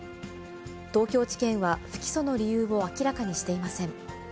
東京地検は不起訴の理由を明らかにしていません。